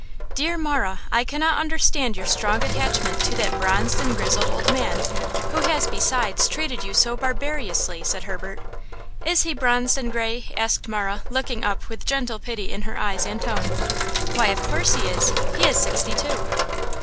"DEAR Marah, I cannot understand your strong attachment to that bronzed and grizzled old man, who has, besides, treated you so barbarously," said Herbert. "Is he bronzed and gray?" asked Marah, looking up with gentle pity in her eyes and tone. "Why, of course he is. He is sixty two."